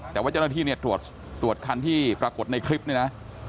แต่ว่าเจ้าหน้าที่เนี่ยตรวจคันที่ปรากฏในคลิปนี้นะ